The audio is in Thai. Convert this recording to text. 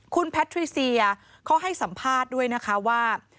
คุณแพทริเซียเขาให้สัมภาษณ์ด้วยนะคะว่า